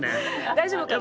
大丈夫かな？